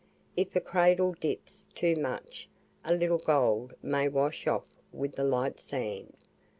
If a cradle dips too much, a little gold may wash off with the light sand.